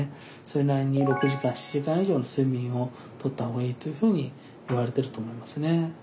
それなりに６時間７時間以上の睡眠を取った方がいいというふうにいわれてると思いますね。